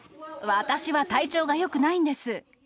私は体調がよくないんです。